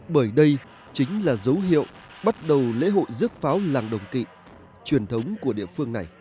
bởi đây chính là dấu hiệu bắt đầu lễ hội rước pháo làng đồng kỵ truyền thống của địa phương này